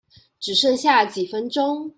只剩下幾分鐘